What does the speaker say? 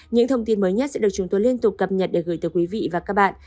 những thông tin mới nhất sẽ được chúng tôi liên tục cập nhật để gửi tới quý vị và các bạn